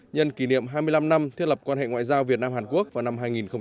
nhân kỷ niệm hai mươi năm năm thiết lập quan hệ ngoại giao việt nam hàn quốc vào năm hai nghìn hai mươi